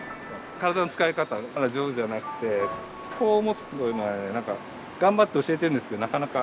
体の使い方がまだ上手じゃなくてこう持つっていうのは頑張って教えてるんですけどなかなか。